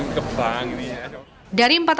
yang lewat jalur filipina